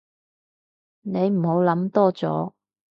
你唔好諗多咗